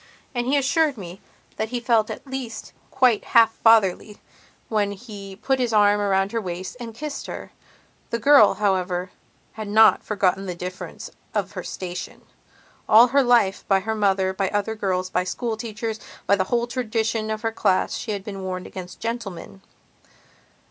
And he assured me that he felt at least quite half fatherly when he put his arm around her waist and kissed her. The girl, however, had not forgotten the difference of her station. All her life, by her mother, by other girls, by schoolteachers, by the whole tradition of her class she had been warned against gentlemen.